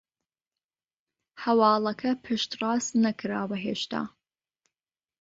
هەواڵەکە پشتڕاست نەکراوە هێشتا